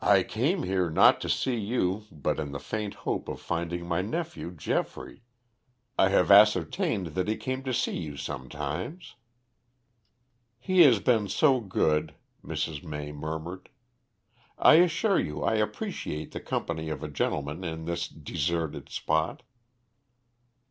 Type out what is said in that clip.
"I came here not to see you, but in the faint hope of finding my nephew Geoffrey. I have ascertained that he came to see you sometimes." "He has been so good," Mrs. May murmured. "I assure you I appreciate the company of a gentleman in this deserted spot."